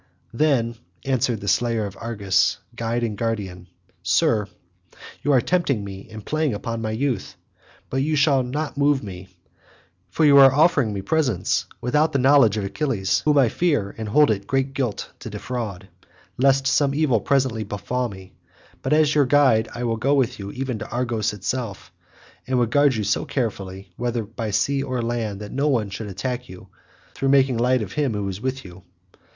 Then answered the slayer of Argus, guide and guardian, "Sir, you are tempting me and playing upon my youth, but you shall not move me, for you are offering me presents without the knowledge of Achilles whom I fear and hold it great guilt to defraud, lest some evil presently befall me; but as your guide I would go with you even to Argos itself, and would guard you so carefully whether by sea or land, that no one should attack you through making light of him who was with you."